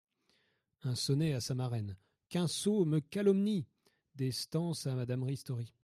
Un Sonnet à sa Marraine : «Qu'un sot me calomnie …» Des Stances à Madame Ristori.